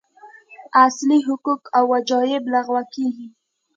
اصلي حقوق او وجایب لغوه کېږي.